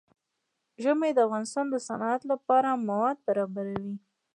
ژمی د افغانستان د صنعت لپاره مواد برابروي.